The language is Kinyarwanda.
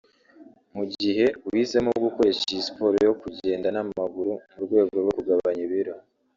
Mugihe uhisemo gukoresha iyi siporo yo kugenda n’amaguru mu rwego rwo kugabanya ibiro